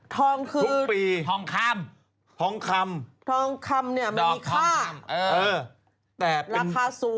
ทองคือธองคำถุชภรรณก